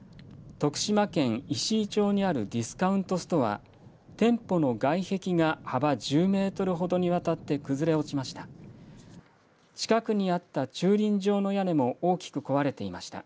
徳島県石井町にあるディスカウントストア、店舗の外壁が幅１０メートルほどにわたって崩れ落ちました。